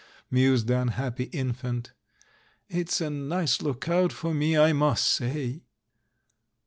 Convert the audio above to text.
mused the unhappy infant. "It's a nice lookout for me, I must say!"